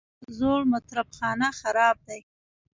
زوړ مطرب خانه خراب دی.